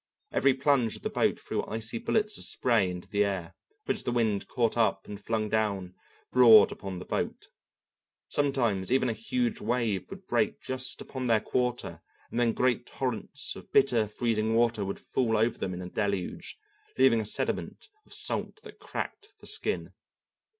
Every plunge of the boat threw icy bullets of spray into the air, which the wind caught up and flung down broad upon the boat. Sometimes even a huge wave would break just upon their quarter, and then great torrents of bitter, freezing water would fall over them in a deluge, leaving a sediment of salt that cracked the skin.